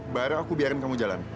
baru aku biarin kamu jalan